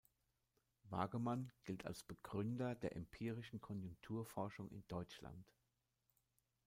Wagemann gilt als Begründer der empirischen Konjunkturforschung in Deutschland.